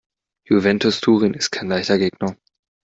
Juventus Turin ist kein leichter Gegner.